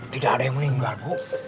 tidak ada yang meninggal bu